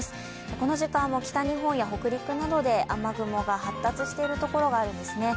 この時間も北日本や北陸などで雨雲が発達している所があるんですね。